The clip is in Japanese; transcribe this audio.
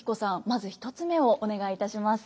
まず１つ目をお願いいたします。